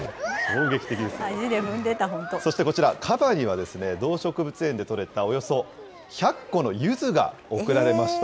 そしてこちら、カバには動植物園でとれたおよそ１００個のゆずが贈られました。